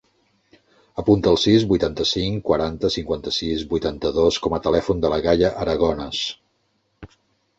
Apunta el sis, vuitanta-cinc, quaranta, cinquanta-sis, vuitanta-dos com a telèfon de la Gaia Aragones.